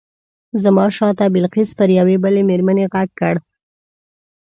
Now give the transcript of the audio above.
زما شاته بلقیس پر یوې بلې مېرمنې غږ کړ.